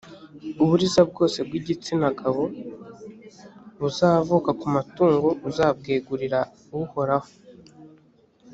uburiza bwose bw’igitsinagabo buzavuka ku matungo uzabwegurira uhoraho